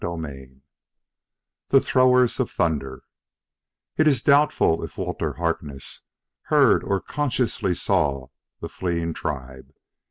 CHAPTER IX The Throwers of Thunder It is doubtful if Walter Harkness heard or consciously saw that fleeing tribe.